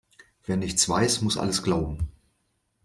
Wer nichts weiß, muss alles glauben.